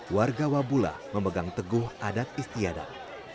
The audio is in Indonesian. warga wabula memegang teguh adat istiadat